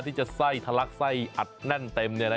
ที่จะไส้ทะลักไส้อัดแน่นเต็ม